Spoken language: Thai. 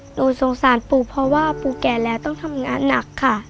หนูสงสารปู่เพราะว่าปู่แก่แล้วต้องทำงานหนักค่ะ